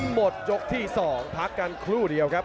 หมดยกที่๒พักกันครู่เดียวครับ